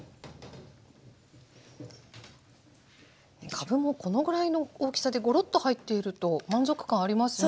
かぶもこのぐらいの大きさでゴロッと入っていると満足感ありますね。